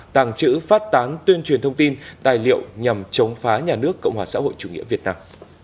tàng trữ phát tán tuyên truyền thông tin tài liệu nhằm chống phá nhà nước cộng hòa xã hội chủ nghĩa việt nam